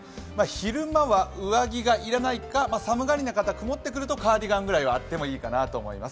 昼間は上着がいらないか寒がりの方、カーディガンぐらいはあってもいいかなと思います。